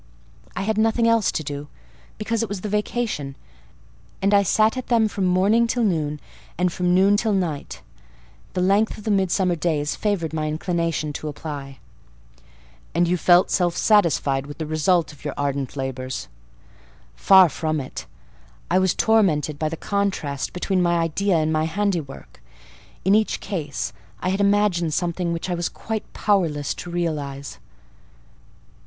"I had nothing else to do, because it was the vacation, and I sat at them from morning till noon, and from noon till night: the length of the midsummer days favoured my inclination to apply." "And you felt self satisfied with the result of your ardent labours?" "Far from it. I was tormented by the contrast between my idea and my handiwork: in each case I had imagined something which I was quite powerless to realise."